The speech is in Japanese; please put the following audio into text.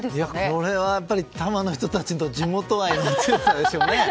これはやっぱり多摩の人たちの地元愛の強さでしょうね。